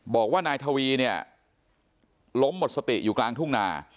บอกว่านายทวีเนี่ยล้มหมดสติอยู่กลางทุ่งนา